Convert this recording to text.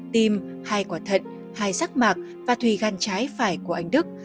tim hai quả thận hai rác mạc và thùy gan trái phải của anh đức